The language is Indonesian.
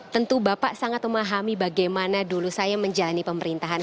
tentu bapak sangat memahami bagaimana dulu saya menjalani pemerintahan